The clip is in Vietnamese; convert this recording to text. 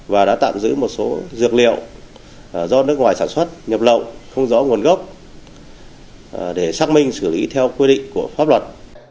và đã tạm giữ một số dược liệu do nước ngoài sản xuất nhập lậu không rõ nguồn gốc để xác minh xử lý theo quy định của pháp luật